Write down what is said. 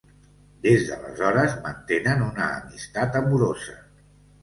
Des d’aleshores, mantenen una amistat amorosa.